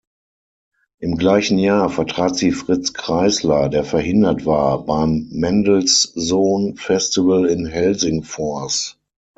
Im gleichen Jahr vertrat sie Fritz Kreisler, der verhindert war, beim Mendelssohn-Festival in Helsingfors.